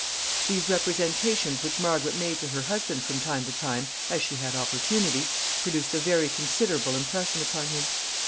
] These representations which Margaret made to her husband from time to time, as she had opportunity, produced a very considerable impression upon him.